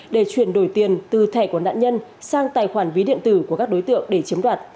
để chuyển đổi tiền từ thẻ của nạn nhân sang tài khoản ví điện tử của các đối tượng để chiếm đoạt